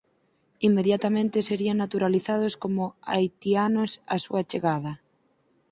Inmediatamente serían naturalizados como haitianos á súa chegada.